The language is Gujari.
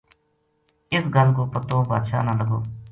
اس گل کو پتو بادشاہ نا لگو